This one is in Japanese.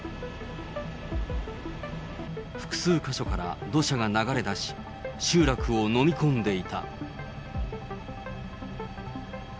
複数か所から土砂が流れ出し、集落をのみ込んでいた。